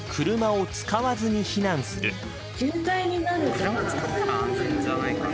車使ったら安全じゃないかな。